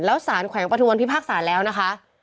แล้วสารแขวงปฐุมวันพิพากษาแล้วนะคะ